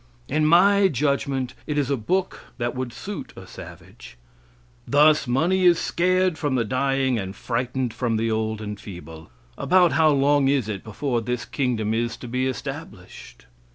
In my judgment, it is a book that would suit a savage. Thus money is scared from the dying and frightened from the old and feeble. About how long is it before this kingdom is to be established?